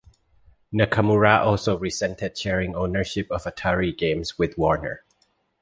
Nakamura also resented sharing ownership of Atari Games with Warner.